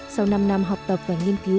sau năm năm học tập và nghiên cứu